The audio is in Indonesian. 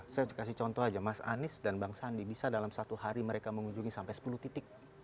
saya kasih contoh aja mas anies dan bang sandi bisa dalam satu hari mereka mengunjungi sampai sepuluh titik